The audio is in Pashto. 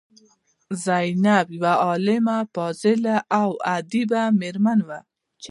زینب یوه عالمه، فاضله او ادیبه میرمن وه.